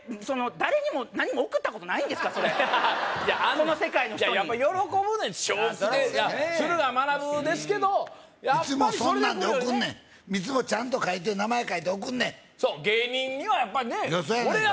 誰にも何も送ったことないんですかそれいやあんねんこの世界の人にやっぱ喜ぶねん笑福亭いや駿河学ですけどやっぱりいつもそんなんで送んねんいつもちゃんと書いて名前書いて送んねんそう芸人にはやっぱねそうやねんな